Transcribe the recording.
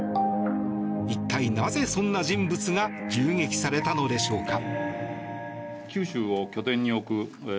一体、なぜそんな人物が銃撃されたのでしょうか。